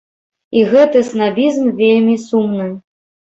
І гэты снабізм вельмі сумны.